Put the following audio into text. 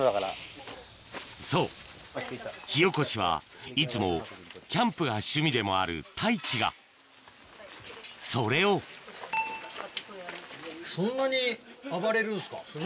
そう火おこしはいつもキャンプが趣味でもある太一がそれをそんなに暴れるんすか？ねぇ。